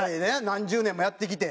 何十年もやってきて。